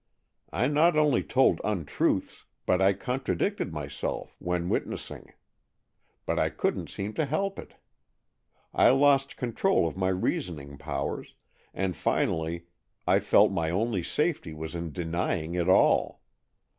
I not only told untruths, but I contradicted myself, when witnessing, but I couldn't seem to help it. I lost control of my reasoning powers, and finally I felt my only safety was in denying it all.